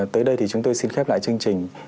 tới đây thì chúng tôi xin khép lại chương trình